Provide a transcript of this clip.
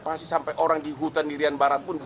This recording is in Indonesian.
pasti sampai orang di hutan dirian barat pun buka